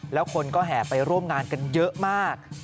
แล้วคนก็แห่ไปร่วมงานกันเยอะมาก